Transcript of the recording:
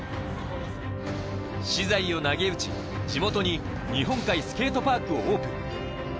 私財を投げうち、地元に日本海スケートパークをオープン。